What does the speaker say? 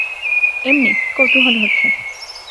এমনি, কৌতূহল হচ্ছে।